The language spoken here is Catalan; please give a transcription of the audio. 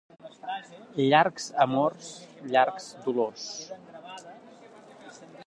Llargs amors, llargs dolors.